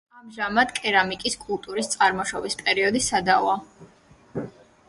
ამჟამად კერამიკის კულტურის წარმოშობის პერიოდი სადავოა.